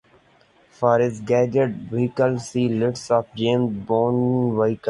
For his gadget vehicles, see List of James Bond vehicles.